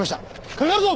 かかるぞ！